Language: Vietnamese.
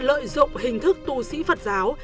lợi dụng hình thức tu sĩ phật giáo